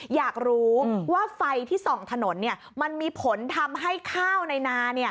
อยากรู้ว่าไฟที่ส่องถนนมันมีผลทำให้ข้าวในนา